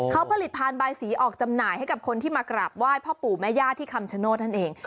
เขาผลิตพานบายสีออกจำหน่ายให้กับคนที่มากราบไหว้พ่อปู่แม่ย่าที่คำชโนธนั่นเอง